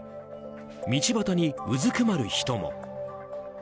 道端にうずくまる人も。